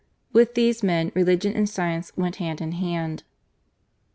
With these men religion and science went hand in hand.